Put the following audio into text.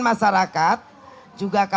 bang santi dan bu susi